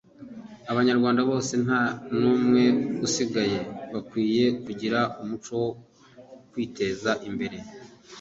Abanyarwanda bose nta n’umwe usigaye bakwiye kugira umuco wo kwiteza imbere